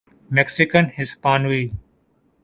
Mexican ہسپانوی